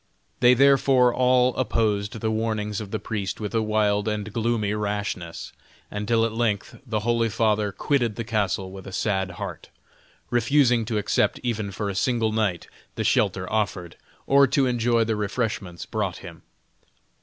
They therefore all opposed the warnings of the priest with a wild and gloomy rashness, until at length the holy father quitted the castle with a sad heart, refusing to accept even for a single night the shelter offered, or to enjoy the refreshments brought him.